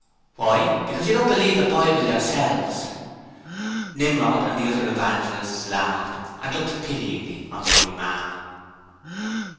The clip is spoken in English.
'Why, because you don't believe the Bible yourselves.' Nimrod and the other evangelists laughed, and looked pityingly at the young man.